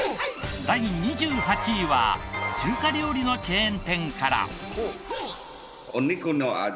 第２８位は中華料理のチェーン店から。